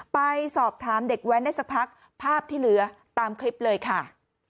ไปสอบถามเด็กแว้นได้สักพักภาพที่เหลือตามคลิปเลยค่ะ